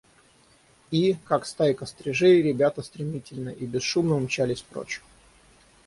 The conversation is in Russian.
И, как стайка стрижей, ребята стремительно и бесшумно умчались прочь.